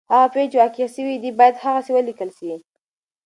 هغه پېښې چي واقع سوي دي باید هغسي ولیکل سي.